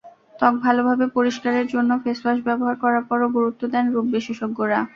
ত্বক ভালোভাবে পরিষ্কারের জন্য ফেসওয়াশ ব্যবহার করার ওপরও গুরুত্ব দেন রূপবিশেষজ্ঞরা।